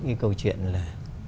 cái câu chuyện là